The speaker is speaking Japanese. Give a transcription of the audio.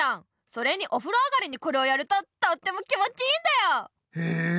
それにお風呂上がりにこれをやるととっても気持ちいいんだよ！へえ。